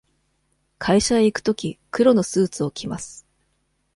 会社へ行くとき、黒のスーツを着ます。